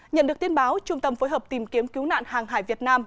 nhận được tin báo trung tâm phối hợp tìm kiếm cứu nạn hàng hải việt nam